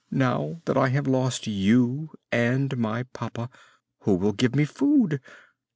Now that I have lost you and my papa, who will give me food?